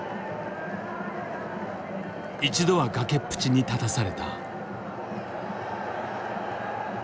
一度は崖っぷちに立たされた。